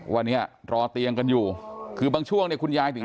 วันนี้รอเตียงกันอยู่คือบางช่วงเนี่ยคุณยายถึง